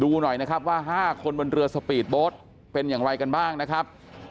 ดูหน่อยนะครับว่า๕คนบนเรือสปีดโบ๊ทเป็นอย่างไรกันบ้างนะครับ